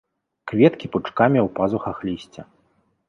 Кветкі пучкамі ў пазухах лісця.